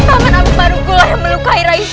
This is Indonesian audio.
padahal tangan amuk marukulah yang melukai rai esrawi itu